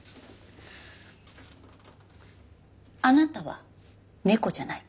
あなたは猫じゃない。